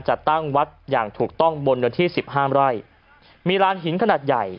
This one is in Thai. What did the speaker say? จัดตั้งวัดอย่างถูกต้องบนเนื้อที่สิบห้ามไร่มีร้านหินขนาดใหญ่